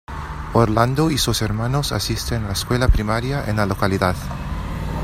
Orlando y sus hermanos asisten a la escuela primaria en la localidad.